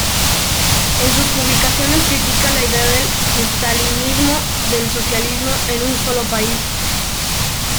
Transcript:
En sus publicaciones critica la idea del estalinismo del "socialismo en un sólo país".